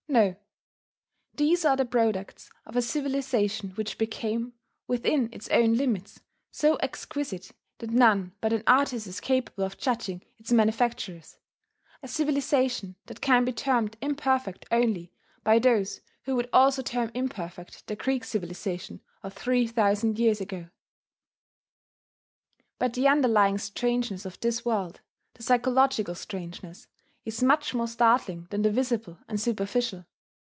No: these are the products of a civilization which became, within its own limits, so exquisite that none but an artist is capable of judging its manufactures, a civilization that can be termed imperfect only by those who would also term imperfect the Greek civilization of three thousand years ago. But the underlying strangeness of this world, the psychological strangeness, is much more startling than the visible and superficial.